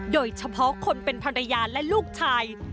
โดยเฉพาะคนเป็นภรรยาและลูกชาย